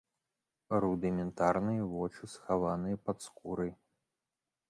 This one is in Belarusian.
Рудыментарныя вочы схаваныя пад скурай.